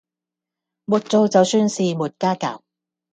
沒做就算是沒家教